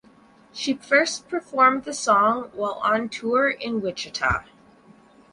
She first performed the song while on tour in Wichita.